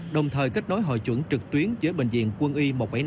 đồng thời kết nối hội chuẩn trực tuyến với bệnh viện quân y một trăm bảy mươi năm